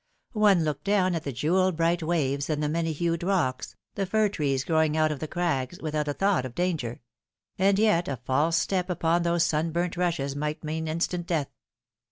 One looked down at the jewel bright waves and the many hued rocks, the fir trees growing out of the crags, without a thought of danger; and yet a false step upon those sunburnt rushes might mean instant death.